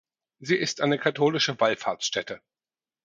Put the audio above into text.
Sie ist eine katholische Wallfahrtsstätte.